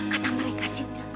kata mereka sih